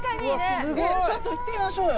ちょっと行ってみましょうよ